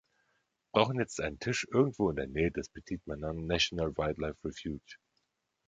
brauchen jetzt einen Tisch irgendwo in der Nähe des Petit Manan National Wildlife Refuge